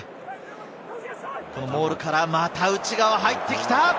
モールからまた内側に入ってきた！